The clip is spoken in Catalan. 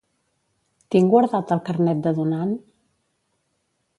Tinc guardat el carnet de donant?